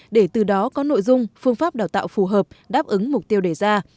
để từ đó có nội dung phương pháp đào tạo phù hợp đáp ứng mục tiêu đề ra